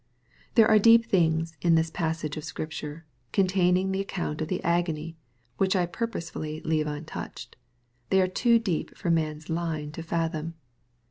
There are deep things in this passage of Scripture, containing the account of the agony, which I purposely leave untouched. They are too deep for man's line to fathom.